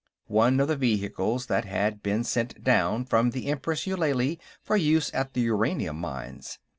One of the vehicles that had been sent down from the Empress Eulalie for use at the uranium mines.